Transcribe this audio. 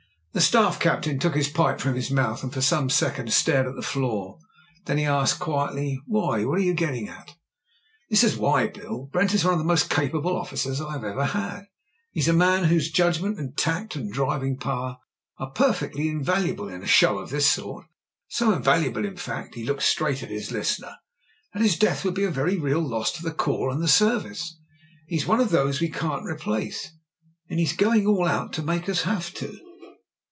The Staff^captain took his pipe from his mouth, and for some seconds stared at the floor. Then he asked quietly, "Why ? What are you getting at ?" "This is why. Bill. Brent is one of the most capable officers I have ever had. He's a man whose judg ment, tact, and driving power are perfectly invaluable in a show of this sort — ^so invaluable, in fact" — ^he looked straight at his listener — "that his death would be a very real loss to the corps and the Service. He's one of those we can't replace, and — ^he's going all out to make us have to."